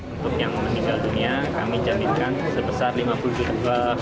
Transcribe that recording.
untuk yang meninggal dunia kami jaminkan sebesar lima puluh juta jiwa